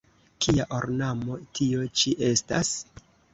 Kia ornamo tio ĉi estas?